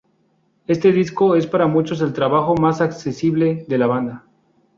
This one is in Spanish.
Este disco es, para muchos, el trabajo más accesible de la banda.